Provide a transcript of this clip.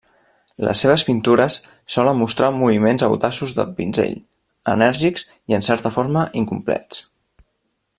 Les seves pintures solen mostrar moviments audaços del pinzell, enèrgics i, en certa forma, incomplets.